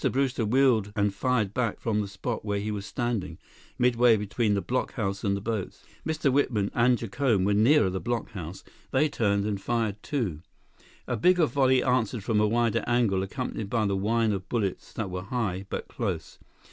Brewster wheeled and fired back from the spot where he was standing, midway between the blockhouse and the boats. Mr. Whitman and Jacome were nearer the blockhouse. They turned and fired, too. A bigger volley answered from a wider angle, accompanied by the whine of bullets that were high, but close.